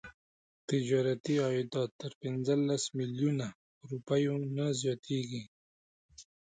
تجارتي عایدات تر پنځلس میلیونه روپیو نه زیاتیږي.